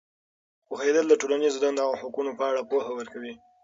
پوهېدل د ټولنیزې دندو او حقونو په اړه پوهه ورکوي.